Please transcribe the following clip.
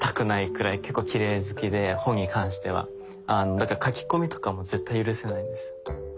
だから書き込みとかも絶対許せないんです。